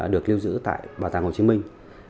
được lưu giữ tại bảo tàng hồ chí minh